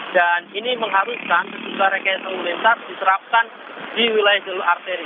dan ini mengharuskan juga rekening penulisan diterapkan di wilayah jalur arteri